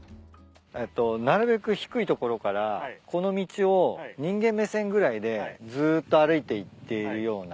なるべく低い所からこの道を人間目線ぐらいでずっと歩いていっているような。